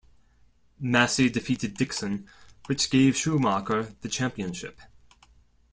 Massey defeated Dixon, which gave Schumacher the championship.